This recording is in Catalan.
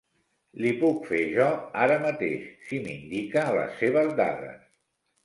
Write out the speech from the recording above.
Li puc fer jo ara mateix si m'indica les seves dades.